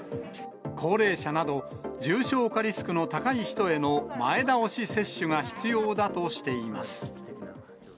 高齢者など、重症化リスクの高い人への前倒し接種が必要だとしています。